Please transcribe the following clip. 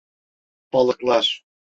Balıklar.